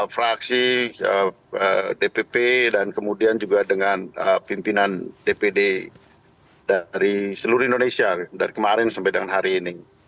kami kebetulan barusan juga rapat fraksi dpp dan kemudian juga dengan pimpinan dpd dari seluruh indonesia dari kemarin sampai dengan hari ini